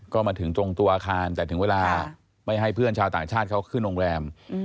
ก็มาถึงตรงตัวอาคารแต่ถึงเวลาไม่ให้เพื่อนชาวต่างชาติเขาขึ้นโรงแรม